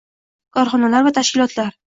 korxonalar va tashkilotlar